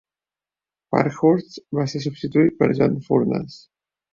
Parkhurst va ser substituït per John Furness.